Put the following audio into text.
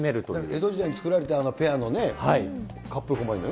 江戸時代に作られたペアのカップルこま犬。